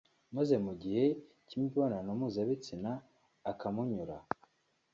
maze mu gihe cy’imibonano mpuzabitsina akamunyura